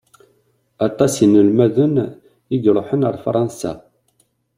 Aṭas n inelmaden i iṛuḥen ar Fransa.